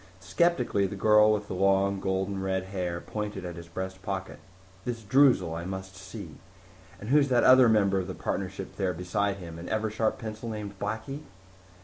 Skeptically the girl with the long, golden red hair pointed at his breast pocket. "This Droozle I must see. And who's that other member of the partnership there beside him? An Eversharp pencil named Blackie?"